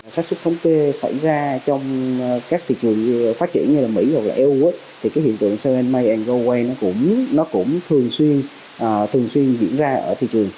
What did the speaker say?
sát xuất thông kê xảy ra trong các thị trường phát triển như là mỹ hoặc là eu thì cái hiện tượng sale in may and go away nó cũng thường xuyên diễn ra ở thị trường